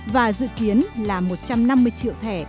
và dự kiến là một trăm năm mươi triệu thẻ